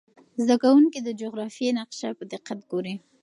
زده کوونکي د جغرافیې نقشه په دقت ګوري.